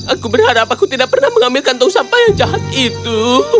aku berharap aku tidak pernah mengambil kantong sampah yang jahat itu